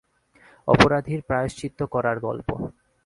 অপরাধীর প্রায়শ্চিত্ত করার গল্প।